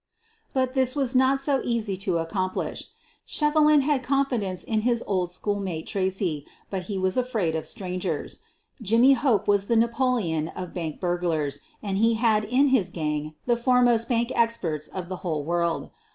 But this was not so easy to accomplish. Shevelin had confidence in his old schoolmate Tracy, but he was afraid of strangers. Jimmy Hope was the Na poleon of bank burglars, and he had in his gang the foremost bank experts of the whole world.